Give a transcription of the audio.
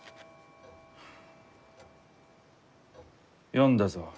読んだぞ。